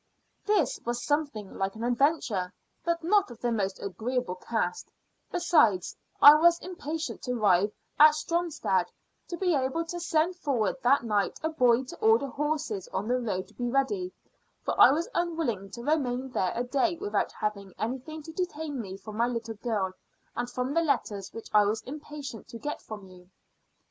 This was something like an adventure, but not of the most agreeable cast; besides, I was impatient to arrive at Stromstad, to be able to send forward that night a boy to order horses on the road to be ready, for I was unwilling to remain there a day without having anything to detain me from my little girl, and from the letters which I was impatient to get from you.